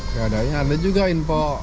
gak ada ada juga info